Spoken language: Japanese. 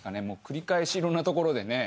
繰り返しいろんなところでね